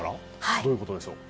どういうことでしょう。